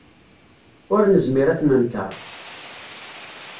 Ur nezmir ad t-nenkeṛ.